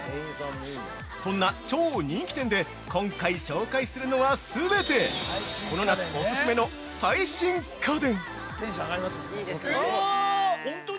そんな超人気店で今回紹介するのは全てこの夏オススメの最新家電！